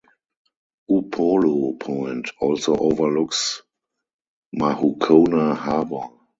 Upolu Point also overlooks Mahukona Harbor.